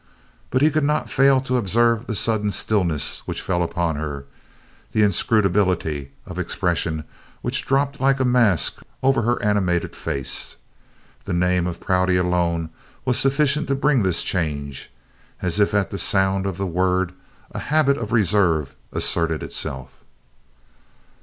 But he could not fail to observe the sudden stillness which fell upon her, the inscrutability of expression which dropped like a mask over her animated face. The name of Prouty alone was sufficient to bring this change, as if at the sound of the word a habit of reserve asserted itself.